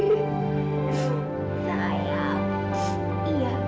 udah kan nyusuin ngalah